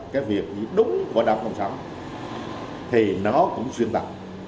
cái việc đúng của đảng cộng sản thì nó cũng xuyên tạo